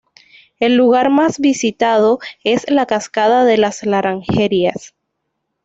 El lugar más visitado es la cascada de las laranjeiras.